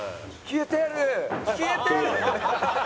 「消えてる！」。